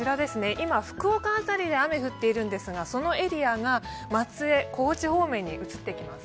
今福岡辺りで雨降っているんですがそのエリアが松江、高知方面に移ってきます。